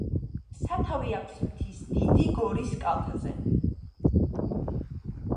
სათავე აქვს მთის დიდი გორის კალთაზე.